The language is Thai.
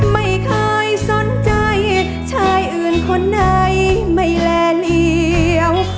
ไม่เคยสนใจชายอื่นคนใดไม่แลเหลี่ยว